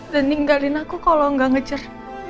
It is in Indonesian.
dan ninggalin aku kalo gak ngejar